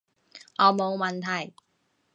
我冇問題